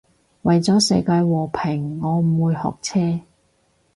為咗世界和平我唔會學車